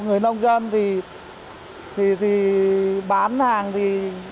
người nông dân thì bán hàng thì